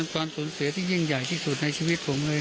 มันจนเป็นความตัวเสียที่ยิ่งใหญ่ที่สุดในชีวิตผมเลย